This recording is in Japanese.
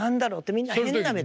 みんな変な目で。